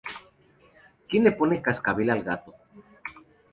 ¿Quién le pone el cascabel al gato?